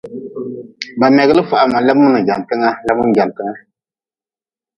Ba megli fahma lemu n jantnga lemu n jantnga.